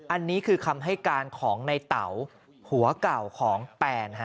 อันนี้คือคำให้การของในเต๋าผัวเก่าของแปน